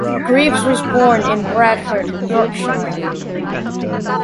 Greaves was born in Bradford, Yorkshire.